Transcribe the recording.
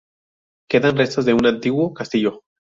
Quedan restos de un antiguo castillo.